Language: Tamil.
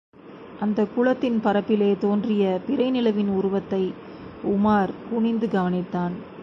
அந்தக்குளத்தின் பரப்பிலே தோன்றிய பிறை நிலவின் உருவத்தை உமார் குனிந்து கவனித்தான்.